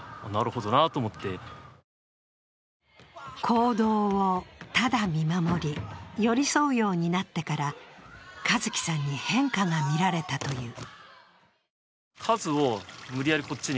行動をただ見守り、寄り添うようになってから和毅さんに変化が見られたという。